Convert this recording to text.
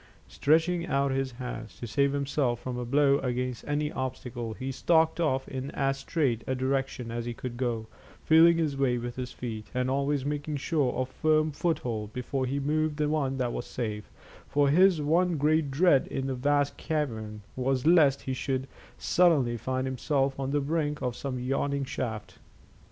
Stretching out his hands to save himself from a blow against any obstacle, he stalked off in as straight a direction as he could go, feeling his way with his feet, and always making sure of firm foothold before he moved the one that was safe, for his one great dread in the vast cavern was lest he should suddenly find himself on the brink of some yawning shaft.